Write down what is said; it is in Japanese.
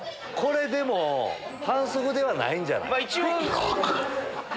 でも反則ではないんじゃない？